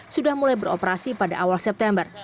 sudah mulai beroperasi pada awal september